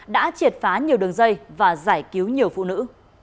đã triệt phá nhiều đường dây và giải cứu nhiều phụ nữ